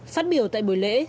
phát biểu tại buổi lễ